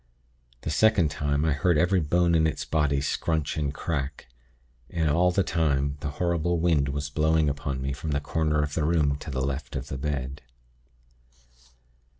The second time, I heard every bone in its body scrunch and crack. And all the time the horrible wind was blowing upon me from the corner of the room to the left of the bed.